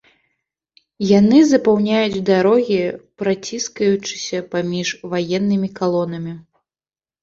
Яны запаўняюць дарогі, праціскаючыся паміж ваеннымі калонамі.